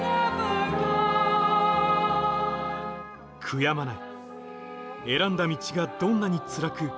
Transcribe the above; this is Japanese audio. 悔やまない選んだ道がどんなにつらく